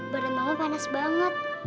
badan mama panas banget